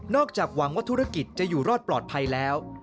จากหวังว่าธุรกิจจะอยู่รอดปลอดภัยแล้ว